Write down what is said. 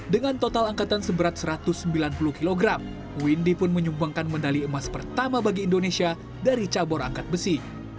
dengan total angkatan seberat satu ratus sembilan puluh kg windy pun menyumbangkan medali emas pertama bagi indonesia dari cabur angkat besi